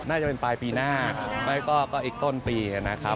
น่าจะเป็นปลายปีหน้าไม่ก็อีกต้นปีนะครับ